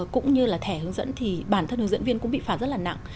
cũng như là thẻ hướng dẫn thì bản thân hướng dẫn viên cũng bị phạt rất là nặng